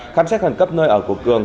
khám xét khẩn cấp nơi ở của cường